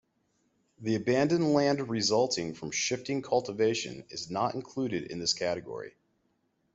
The abandoned land resulting from shifting cultivation is not included in this category.